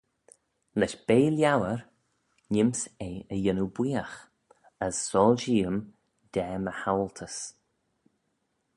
Lesh bea liauyr neem's eh y yannoo booiagh: as soilshee-ym da my haualtys.